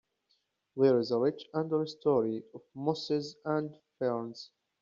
There is a rich understory of mosses and ferns.